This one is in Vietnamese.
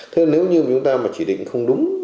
thế nếu như chúng ta mà chỉ định không đúng